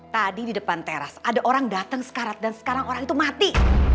tadi di depan teras ada orang datang sekarat dan sekarang orang itu mati